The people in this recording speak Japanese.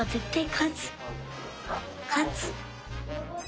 勝つ！